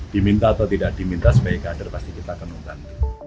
diminta atau tidak diminta sebagai kader pasti kita temukan